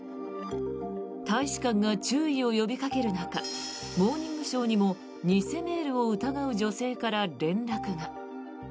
大使館が注意を呼びかける中「モーニングショー」にも偽メールを疑う女性から連絡が。